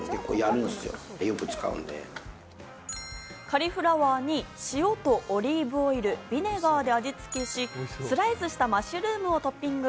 カリフラワーに塩とオリーブオイル、ビネガーで味付けし、スライスしたマッシュルームをトッピング。